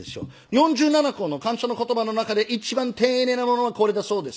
４７個の感謝の言葉の中で一番丁寧なものはこれだそうです。